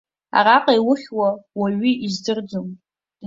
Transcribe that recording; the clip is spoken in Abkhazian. Араҟа иухьуа уаҩы издырӡом.